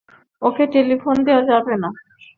ওকে telephone দেয়া যাবে না।